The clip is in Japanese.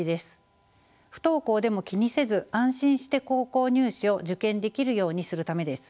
不登校でも気にせず安心して高校入試を受験できるようにするためです。